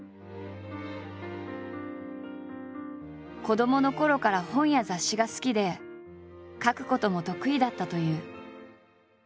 子どものころから本や雑誌が好きで書くことも得意だったという。